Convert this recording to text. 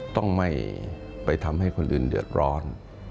ต้องไม่ไปทำให้คนอื่นเดือดร้อน